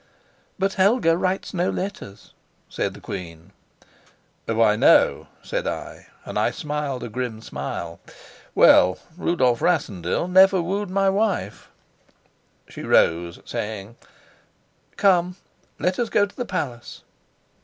"But Helga writes no letters," said the queen. "Why, no," said I, and I smiled a grim smile. Well, Rudolf Rassendyll had never wooed my wife. She rose, saying: "Come, let us go to the palace."